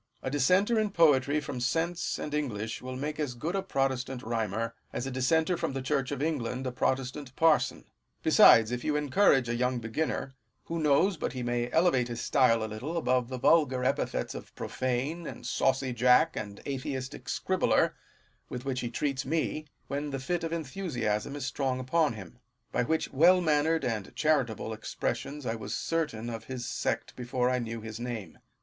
A dis senter in poetry from sense and English will make as good a Protestant rhymer, as a dissenter from the Church of England a Protestant parson. Besides, if you encourage a young beginner, who knows but he may elevate his stylo a little above the vulgar epithets of profane, and saucy jack, and atheistic scribbler, with which he treats me, when the fit of enthusiasm is strong upon him : by which well mannered and charitable expressions I was certain of his sect before I knew his name.